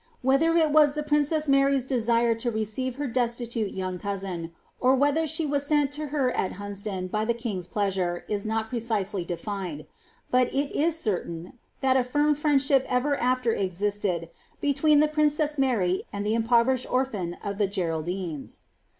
Whether it was ihb princess Mary's desire to receive her destiiute ynnng cousin, or whether she was sent to her at Hunsdoii by the king's plea sure, is not precisely delined ; but it is certain that a (irm friendship ever after existed between the princess Mary and ilie imptiverishml orphan of the Geraldines.'